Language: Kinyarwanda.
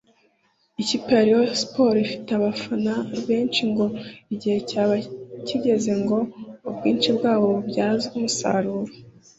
Ikipe ya Rayon Sports ifite abafana benshi ngo igihe cyaba kigeze ngo ubwinshi bwabo bubyazwe umusaruro